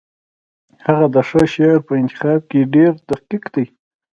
هغه د ښه شعر په انتخاب کې ډېر دقیق دی